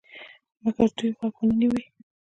مګر دوی غوږ ونه نیوی.